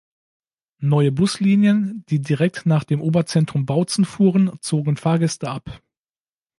Neue Buslinien, die direkt nach dem Oberzentrum Bautzen fuhren, zogen Fahrgäste ab.